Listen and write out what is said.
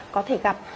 có thể gặp